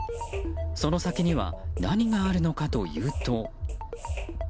その先には何があるのかというと。